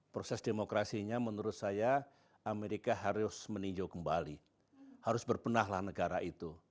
proses demokrasinya menurut saya amerika harus meninjau kembali harus berpenahlah negara itu